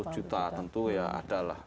delapan puluh juta tentu ya ada lah